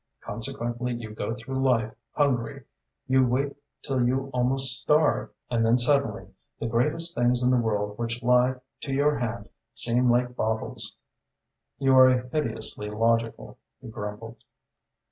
Consequently you go through life hungry, you wait till you almost starve, and then suddenly the greatest things in the world which lie to your hand seem like baubles." "You are hideously logical," he grumbled.